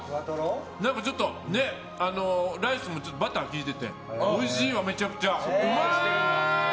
何か、ちょっとライスもバターが利いてておいしいわ、めちゃくちゃ。